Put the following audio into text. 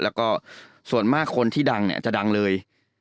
แล้วก็ส่วนมากคนที่ดังเนี่ยจะดังเลย